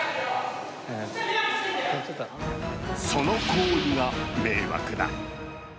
その行為が迷惑だ！